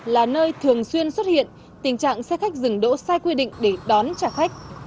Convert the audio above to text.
là nơi thường xuyên xuất hiện tình trạng xe khách dừng đỗ sai quy định để đón trả khách